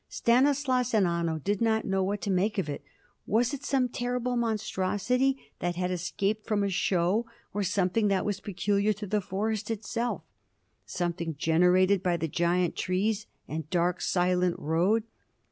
Stanislaus and Anno did not know what to make of it. Was it some terrible monstrosity that had escaped from a show, or something that was peculiar to the forest itself, something generated by the giant trees and dark, silent road?